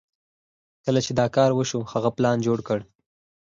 کله چې دا کار وشو هغه پلان جوړ کړ.